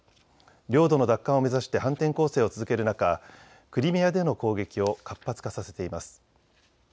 領土の奪還を目指して反転攻勢を続ける中、クリミアでの攻撃を活発化させています。